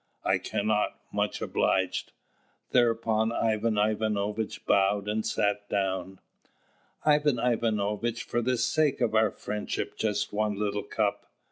"I cannot; much obliged." Thereupon Ivan Ivanovitch bowed and sat down. "Ivan Ivanovitch, for the sake of our friendship, just one little cup!"